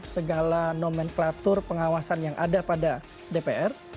segala nomenklatur pengawasan yang ada pada dpr